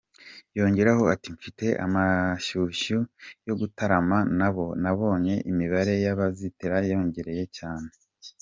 Yongeraho ati « Mfite amashyushyu yo gutaramana na bo , nabonye imibare y’abazitabira yariyongereye cyane.